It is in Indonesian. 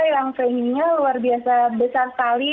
yang framingnya luar biasa besar sekali